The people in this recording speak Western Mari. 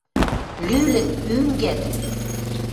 Лӱлӹт, ӱнгӓт...